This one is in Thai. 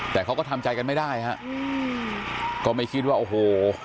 แต่เขาก็ทำใจกันไม่ได้ฮะก็ไม่คิดว่าโอ้โห